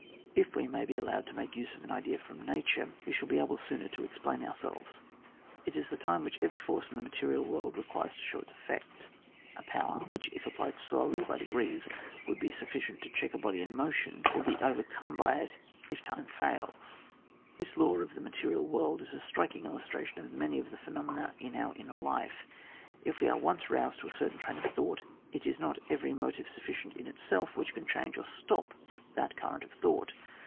If we may be allowed to make use of an idea from nature, we shall be able sooner to explain ourselves. It is the time which every force in the material world requires to show its effect. A power, which if applied slowly by de grees, would be sufficient to check a body in motion, will be overcome by it if time fails. This law of the material world is a striking illustration of many of the phenomena in our inner lifa If we are once roused to a certain train of thought, it is not every motive sufficient in itself which can change or stop that current of thought.